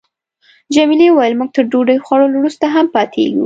جميلې وويل: موږ تر ډوډۍ خوړلو وروسته هم پاتېږو.